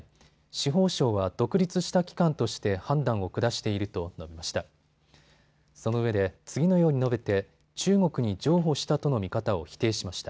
司法省は独立した機関として判断を下していると述べました。